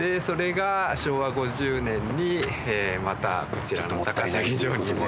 それが昭和５０年にまたこちらの高崎城に。